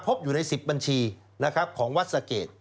พบอยู่ใน๑๐บัญชีของวัดสเกต